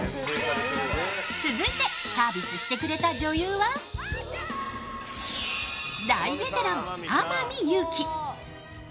続いて、サービスしてくれた女優は大ベテラン、天海祐希。